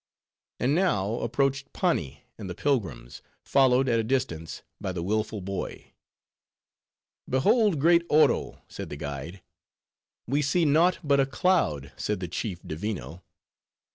And now approached Pani and the pilgrims; followed, at a distance, by the willful boy. "Behold great Oro," said the guide. "We see naught but a cloud," said the chief Divino.